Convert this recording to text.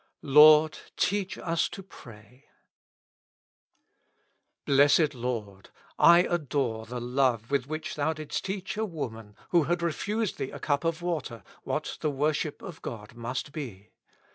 '' Lord teach us to pray." Blessed Lord ! I adore the love with which Thou didst teach a woman, who had refused Thee a cup of water, what the worship of God must be.